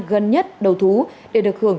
gần nhất đầu thú để được hưởng